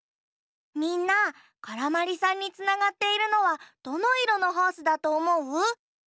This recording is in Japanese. みんなからまりさんにつながっているのはどのいろのホースだとおもう？